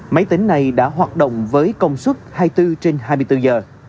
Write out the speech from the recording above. máy tính này đã hoạt động với công suất hai mươi bốn trên hai mươi bốn giờ